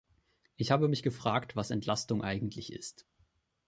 Ich habe mich gefragt, was Entlastung eigentlich ist.